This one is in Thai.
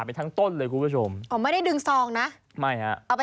ไปทั้งต้นเลยคุณผู้ชมอ๋อไม่ได้ดึงซองนะไม่ฮะเอาไป